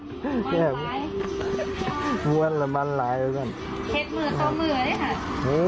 มันหลายบอร์และมันหลายแล้วกันเห็นมือต้องมือเลยฮะ